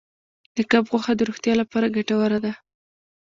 د کب غوښه د روغتیا لپاره ګټوره ده.